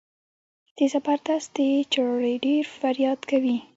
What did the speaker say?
د زبردست د چړې ډېر فریاد کوي.